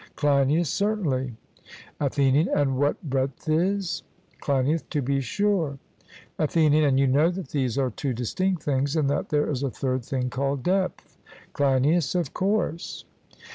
CLEINIAS: Certainly. ATHENIAN: And what breadth is? CLEINIAS: To be sure. ATHENIAN: And you know that these are two distinct things, and that there is a third thing called depth? CLEINIAS: Of course.